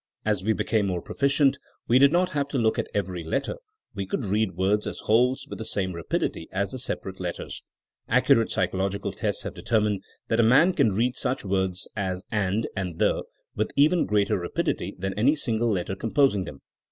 As we became more proficient we did not have to look at every letter; we could read words as wholes with the same rapidity as the separate letters. Accurate psychological tests have determined that a man can read such words as and*' and the^' with even greater rapidity than any single letter composing them.